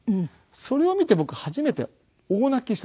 それを見て僕初めて大泣きしたんですよ。